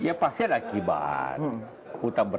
ya pasti ada akibat